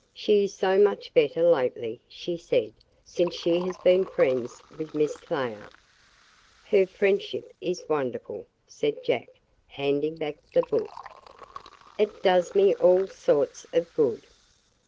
"She is so much better lately," she said, "since she has been friends with Miss Thayer." "Her friendship is wonderful," said Jack, handing back the book. "It does me all sorts of good."